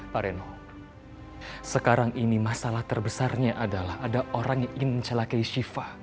pareno sekarang ini masalah terbesarnya adalah ada orang yang ingin mencelakai shiva